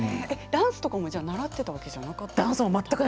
ダンスとかも習っていたわけじゃないんですか。